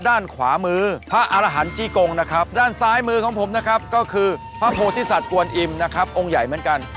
ด้านขวามือพระอารหันต์จี้กงนะครับด้านซ้ายมือของผมนะครับก็คือพระโพธิสัตว์กวนอิมนะครับองค์ใหญ่เหมือนกัน